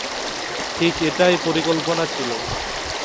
ঠিক এটাই পরিকল্পনা ছিল।